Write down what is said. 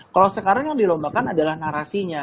kalau sekarang yang dilombakan adalah narasinya